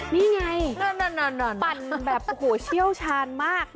นี่ไงปั่นแบบโอ้โหเชี่ยวชาญมาก